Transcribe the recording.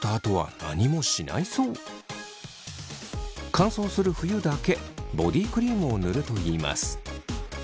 乾燥する冬だけボディクリームを塗るといいます。